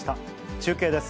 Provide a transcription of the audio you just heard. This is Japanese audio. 中継です。